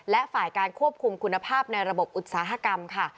และฝ่ายการควบคุมคุณภาพในระบบอุตสาหกรรมค่ะ